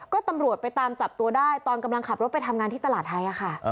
ก็ตำรวจไปตามจับตัวได้ตอนกำลังขับรถไปทำงานที่ตลาดไทยค่ะ